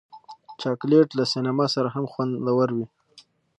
چاکلېټ له سینما سره هم خوندور وي.